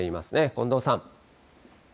近藤さん。